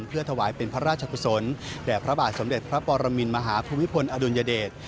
เพื่อถวายเป็นพระราชกุศลแด่พระบาทสมเด็จพระปรมินมหาภูมิพลอดุลยเดช